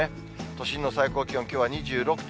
都心の最高気温、きょうは２６．４度。